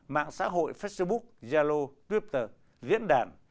mạng xã hội facebook yalo twitter diễn đàn